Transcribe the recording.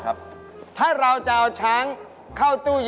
จะได้มายิงสรุป